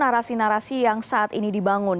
narasi narasi yang saat ini dibangun